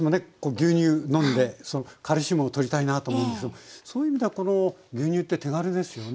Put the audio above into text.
牛乳飲んでカルシウムを取りたいなと思うんですけどそういう意味ではこの牛乳って手軽ですよね。